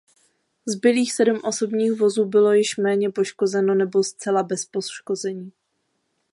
Zbylých sedm osobních vozů bylo již méně poškozeno nebo zcela bez poškození.